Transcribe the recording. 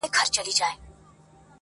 خدای به د وطن له مخه ژر ورک کړي دا شر,